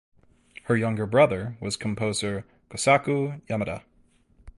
Her younger brother was composer Kosaku Yamada.